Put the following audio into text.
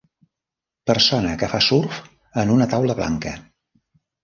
Persona que fa surf en una taula blanca